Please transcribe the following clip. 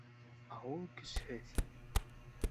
— Ә ул көсһөҙ...